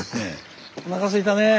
おなかすいたねえ。